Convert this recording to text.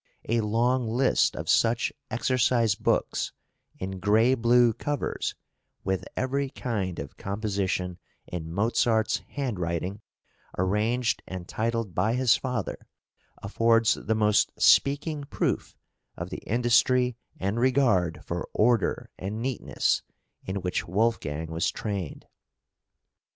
A long list of such exercise books, in gray blue covers, with every kind of composition in Mozart's handwriting, arranged and titled by his father, affords the most speaking proof of the industry and regard for order and neatness in which Wolfgang was trained.